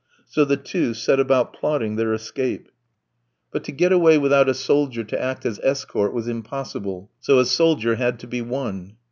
So the two set about plotting their escape. But to get away without a soldier to act as escort was impossible; so a soldier had to be won.